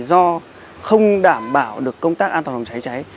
do không đảm bảo được công tác an toàn phòng cháy cháy